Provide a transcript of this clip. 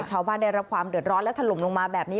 ชาวบ้านได้รับความเดือดร้อนและถล่มลงมาแบบนี้